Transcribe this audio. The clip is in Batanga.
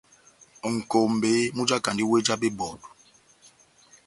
Nʼkombé mújakandi wéh já bebɔdu.